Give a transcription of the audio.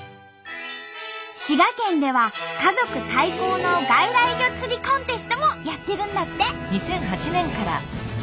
滋賀県では家族対抗の外来魚釣りコンテストもやってるんだって。